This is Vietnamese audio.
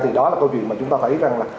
thì đó là câu chuyện mà chúng ta thấy rằng là